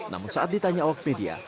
namun saat ditanya awak media